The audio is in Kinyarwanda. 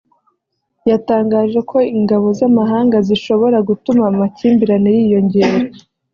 yatangaje ko ingabo z’amahanga zishobora gutuma amakimbirane yiyongera